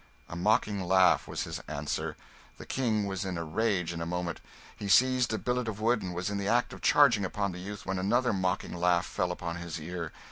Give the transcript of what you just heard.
A mocking laugh was his answer. The King was in a rage in a moment; he seized a billet of wood and was in the act of charging upon the youth when another mocking laugh fell upon his ear.